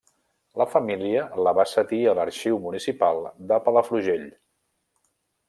La família la va cedir a l'Arxiu Municipal de Palafrugell.